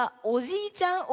「おじいちゃん